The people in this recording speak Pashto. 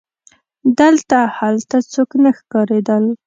دلته هلته څوک نه ښکارېدل.